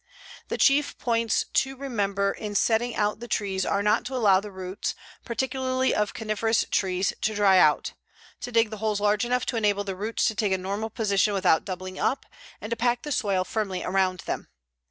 The chief points to remember in setting out the trees are not to allow the roots, particularly of coniferous trees, to dry out; to dig the holes large enough to enable the roots to take a normal position without doubling up, and to pack the soil firmly around them.